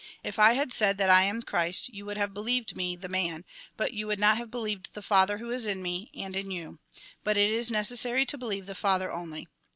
If I had said that I am Christ, you would have believed me, the Man, but you would not have believed the Father who is in me, and in you. But it is necessary to believe the Father only.